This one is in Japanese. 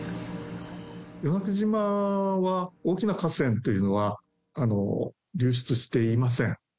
与那国島は、大きな河川というのは流出していません。